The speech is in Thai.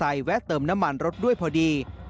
เหยียวรถมอเตอร์ไซค์แวะเติมน้ำมันรถด้วยพอดี